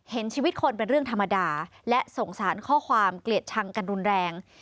เห็นชีวิตคนเป็นเรื่องธรรมดาและสงสารข้อความเกลียดชังกันรุนแรง